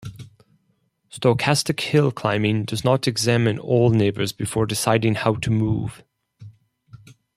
Stochastic hill climbing does not examine all neighbors before deciding how to move.